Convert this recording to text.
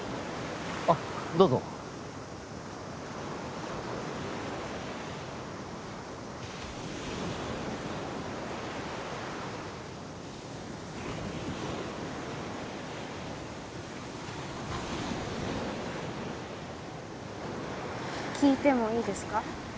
あっどうぞ聞いてもいいですか？